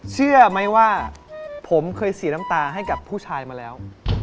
เชื่อไหมว่าผมเคยเสียน้ำตาให้กับผู้ชายมาแล้ว